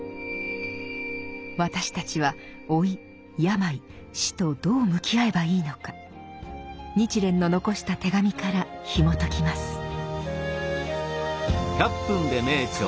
私たちは老い病死とどう向き合えばいいのか日蓮の残した手紙からひもときます。